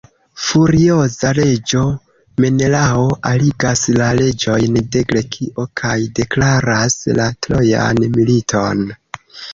Furioza, reĝo Menelao arigas la reĝojn de Grekio, kaj deklaras la Trojan militon.